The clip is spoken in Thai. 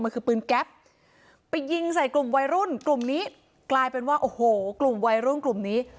มันคือปืนแก๊ปไปยิงใส่กลุ่มวัยรุ่นกลุ่มนี้กลายเป็นว่าโอ้โหกลุ่มวัยรุ่นกลุ่มนี้